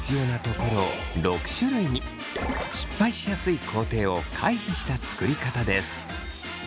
失敗しやすい工程を回避した作り方です。